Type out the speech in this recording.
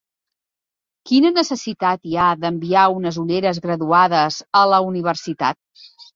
Quina necessitat hi ha d'enviar unes ulleres graduades a la universitat?